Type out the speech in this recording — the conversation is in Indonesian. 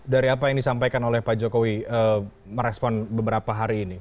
dari apa yang disampaikan oleh pak jokowi merespon beberapa hari ini